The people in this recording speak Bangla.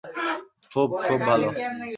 খুব, খুব ভালো।